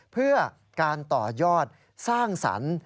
เพื่อการต่อยอดสร้างสรรค์